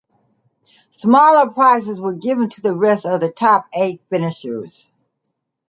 Smaller prizes were given to the rest of the top eight finishers.